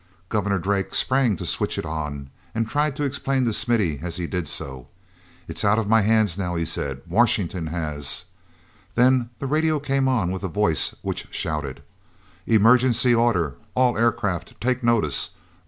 Governor Drake sprang to switch it on, and tried to explain to Smithy as he did so. "It's out of my hands now," he said. "Washington has—" Then the radio came on with a voice which shouted: "Emergency order. All aircraft take notice.